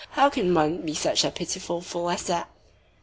How can one be such a pitiful fool as that!"